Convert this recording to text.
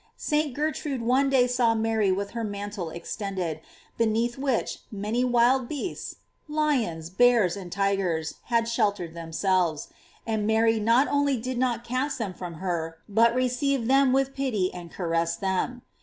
St. Gertrude one day saw Mary with her mantle extended, beneath which many wild beasts, lions, bears, and tigers had shelter ed themselves; and Mary not only did not cast them from her, but received them with pity and caressed them.